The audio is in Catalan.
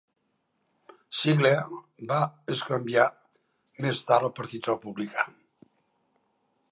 Sigler va es canviar més tard al partit republicà.